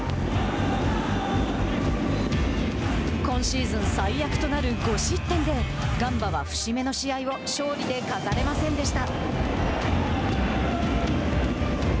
今シーズン最悪となる５失点でガンバは節目の試合を勝利で飾れませんでした。